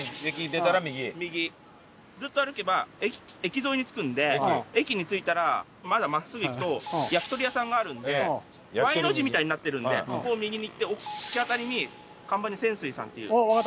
ずっと歩けば駅沿いに着くんで駅に着いたらまだ真っすぐ行くと焼き鳥屋さんがあるんでＹの字みたいになってるんでそこを右に行って突き当たりに看板にセンスイさんっていう。